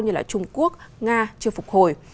như trung quốc nga trung quốc